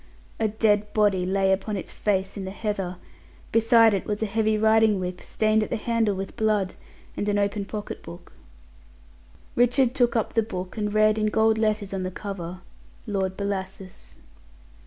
A dead body lay upon its face in the heather; beside it was a heavy riding whip stained at the handle with blood, and an open pocket book. Richard took up the book, and read, in gold letters on the cover, "Lord Bellasis."